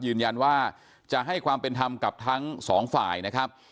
ยืนยันว่าจะให้ความเป็นธรรมกับทั้งสองฝ่ายนะครับ